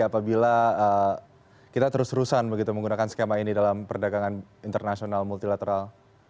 apabila kita terus terusan begitu menggunakan skema ini dalam perdagangan internasional multilateral